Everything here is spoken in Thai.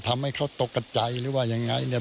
ทำให้เขาตกใจหรือว่ายังไง